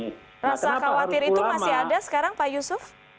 rasa khawatir itu masih ada sekarang pak yusuf